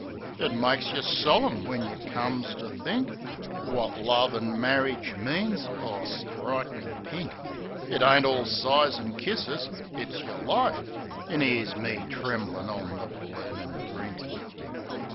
It makes yeh solim when yeh come to think Wot love and marridge means. Ar, strike me pink I It ain't all sighs and kisses. It's yer life. An' 'ere's me tremblin' on the bloomin' brink.